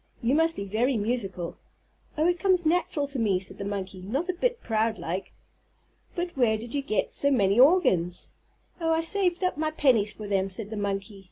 "You must be very musical." "Oh, it comes natural to me," said the monkey, not a bit proud like. "But where did you get so many organs?" "Oh, I saved up my pennies for them," said the monkey.